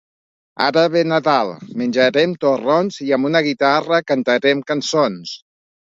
Ara ve Nadal, menjarem torrons i amb una guitarra cantarem cançons.